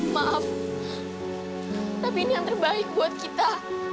maaf tapi ini yang terbaik buat kita